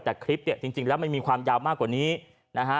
แต่คลิปเนี่ยจริงแล้วมันมีความยาวมากกว่านี้นะฮะ